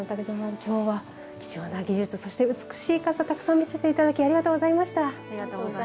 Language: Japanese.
今日は貴重な技術、そして美しい和傘をたくさん見せていただきありがとうございました。